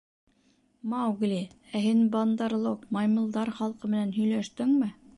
— Маугли, ә һин Бандар-лог, Маймылдар халҡы менән һөйләштеңме?